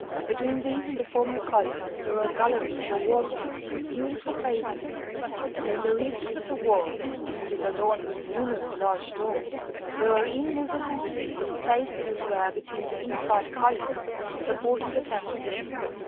Between these and the former columns there are galleries for walking, with beautiful pavements, and in the recess of the wall, which is adorned with numerous large doors, there are immovable seats, placed as it were between the inside columns, supporting the temple.